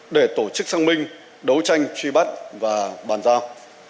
để tổ chức sang minh đấu tranh truy bắt và bàn giao